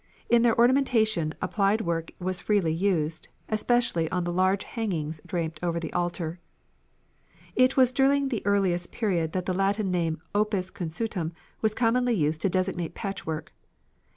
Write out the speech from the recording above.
In their ornamentation applied work was freely used, especially on the large hangings draped over the altar. It was during the earliest period that the Latin name opus consutum was commonly used to designate patchwork.